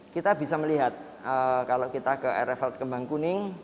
kita bisa melihat kalau kita ke rfl kebangkuning